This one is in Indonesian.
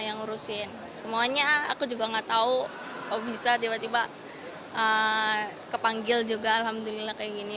yang ngurusin semuanya aku juga nggak tahu oh bisa tiba tiba kepanggil juga alhamdulillah kayak gini